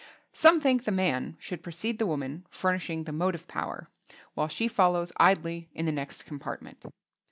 Some think the man should precede the woman furnishing the motive power, while she follows idly in the next compartment.